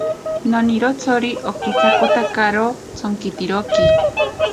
Nonirotsori okisakotakaro tsonkitiroki.